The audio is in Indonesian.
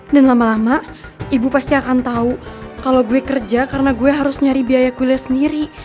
dan lama lama ibu pasti akan tau kalo gue kerja karena gue harus nyari biaya kuliah sendiri